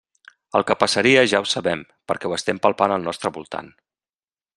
El que passaria ja ho sabem perquè ho estem palpant al nostre voltant.